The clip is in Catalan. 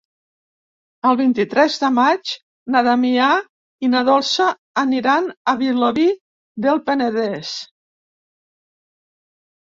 El vint-i-tres de maig na Damià i na Dolça aniran a Vilobí del Penedès.